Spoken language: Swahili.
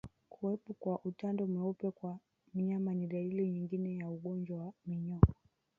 Kuwepo kwa utando mweupe kwa mnyama ni dalili nyingine ya ugonjwa wa minyoo